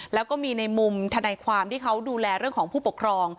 แล้วก็มีในมุมธนายความที่เขาดูแลเรื่องของผู้ปกครอง